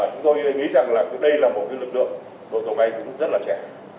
chúng tôi nghĩ rằng là đây là một lực lượng đội tàu bay cũng rất là trẻ